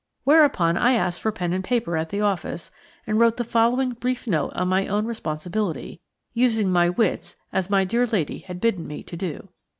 Whereupon I asked for pen and paper at the office, and wrote the following brief note on my own responsibility, using my wits as my dear lady had bidden me to do.